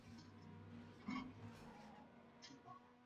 inayoongozwa na siaka siangale kushindwa kutoa matokeo